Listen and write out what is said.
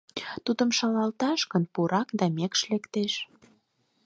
Тудым шалаташ гын, пурак да мекш лектеш.